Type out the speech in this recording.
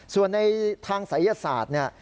ส่วนในทางศัยศาสตร์เนี่ย